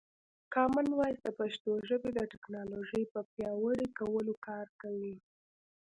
کامن وایس د پښتو ژبې د ټکنالوژۍ پر پیاوړي کولو کار کوي.